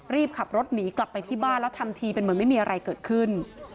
รีบขับรถหนีกลับไปที่บ้านแล้วทำทีเป็นเหมือนไม่มีอะไรเกิดขึ้น